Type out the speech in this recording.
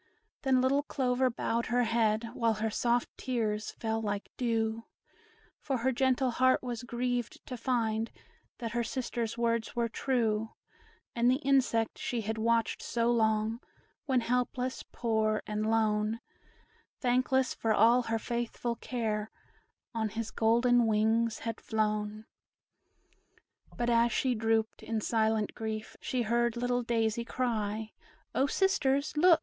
Then little Clover bowed her head, While her soft tears fell like dew; For her gentle heart was grieved, to find That her sisters' words were true, And the insect she had watched so long When helpless, poor, and lone, Thankless for all her faithful care, On his golden wings had flown. But as she drooped, in silent grief, She heard little Daisy cry, "O sisters, look!